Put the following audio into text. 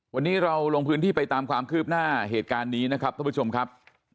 วันนี้เราลงพื้นที่ไปตามความคืบหน้าเหตุการณ์นี้นะครับท่านผู้ชมครับ